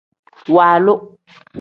Waalu.